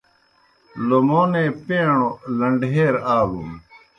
لومونے پیݨوْ لنڈہیر آلُن۔